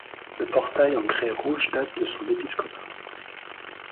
Le portail en grès rouge date de son épiscopat.